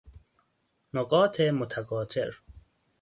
نقاط متقاطر